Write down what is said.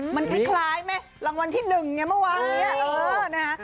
มันคล้ายไหมรางวัลที่๑ไงเมื่อวานนี้นะคะ